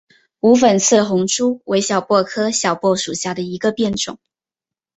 无粉刺红珠为小檗科小檗属下的一个变种。